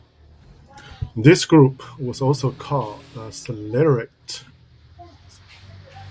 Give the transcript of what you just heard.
This group was also called the slayerettes.